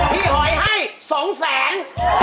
พี่หอยให้๒แสง